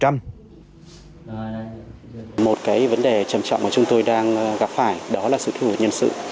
một cái vấn đề trầm trọng mà chúng tôi đang gặp phải đó là sự thiếu hụt nhân sự